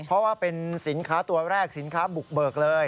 เพราะว่าเป็นสินค้าตัวแรกสินค้าบุกเบิกเลย